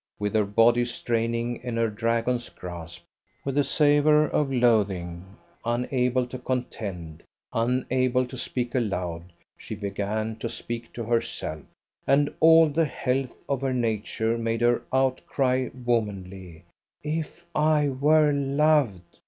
With her body straining in her dragon's grasp, with the savour of loathing, unable to contend, unable to speak aloud, she began to speak to herself, and all the health of her nature made her outcry womanly: "If I were loved!"